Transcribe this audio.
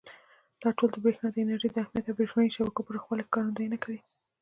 دا ټول د برېښنا د انرژۍ د اهمیت او برېښنایي شبکو پراخوالي ښکارندويي کوي.